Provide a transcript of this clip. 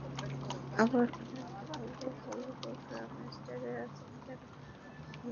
আবার অনেক ভালো ভালো প্রোগ্রামার, টেস্টারও আছেন যাঁরা ভালো কোম্পানি খুঁজে পাননি।